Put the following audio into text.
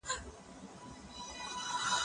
د غرونو کږې لاري سمیدې چي ته راتلې